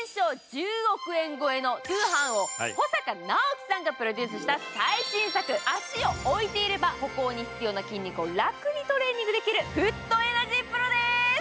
１０億円超えの通販王、保阪尚希さんがプロデュースした最新作、足を置いていれば歩行に必要な筋肉を楽にトレーニングできるフットエナジーＰＲＯです。